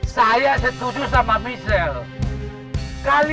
saya setuju sama michelle